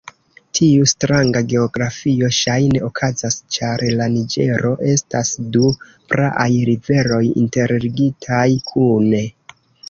Tiu stranga geografio ŝajne okazas ĉar la Niĝero estas du praaj riveroj interligitaj kune.